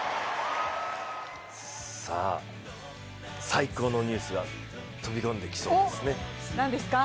最高のニュースが飛び込んできそうですね。